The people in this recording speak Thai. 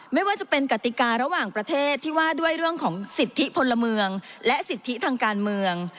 ไม่ว่าจะเป็นกติการะหว่างประเทศที่ว่าด้วยเรื่องของสิทธิพลเมืองและสิทธิทางการเมือง